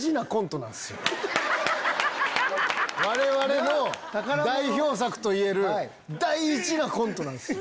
我々の代表作といえる大事なコントなんすよ。